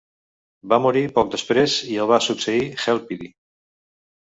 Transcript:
Va morir poc després i el va succeir Helpidi.